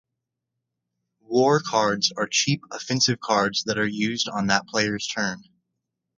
War cards are cheap offensive cards that are used on that player's turn.